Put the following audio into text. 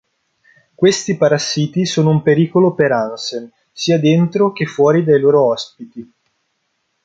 Questi parassiti sono un pericolo per Hansen sia dentro che fuori dai loro ospiti.